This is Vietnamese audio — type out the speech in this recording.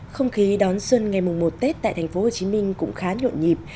không khí đón xuân ngày mùng một tết tại tp hcm cũng khá nhộn nhịp